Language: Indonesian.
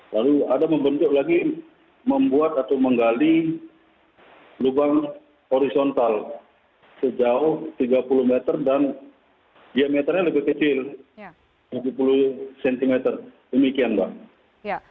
lalu ada juga menggali lubang horisontal sejauh tiga puluh meter dan diameternya lebih kecil dari sepuluh cm demikian pak